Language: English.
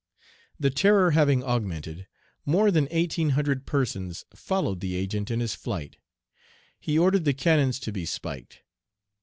"The terror having augmented, more than eighteen hundred persons followed the Agent in his flight. He ordered the cannons to be spiked.